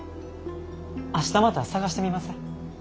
明日また探してみます。